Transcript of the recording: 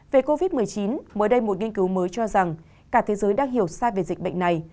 về covid một mươi chín mới đây một nghiên cứu mới cho rằng cả thế giới đang hiểu sai về dịch bệnh này